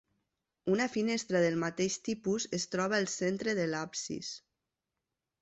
Una finestra del mateix tipus es troba al centre de l'absis.